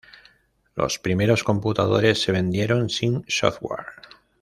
Los primeros computadores se vendieron sin software.